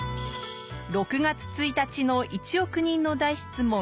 ６月１日の『１億人の大質問